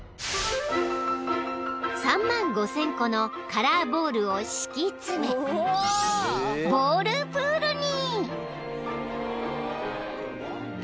［３万５，０００個のカラーボールを敷き詰めボールプールに］